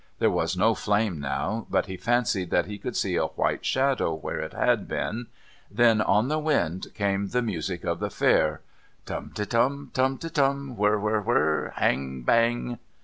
There was no flame now, but he fancied that he could see a white shadow where it had been. Then, on the wind, came the music of the Fair. "Tum te Tum... Tum te Tum... Whirr Whirr Whirr Bang Bang."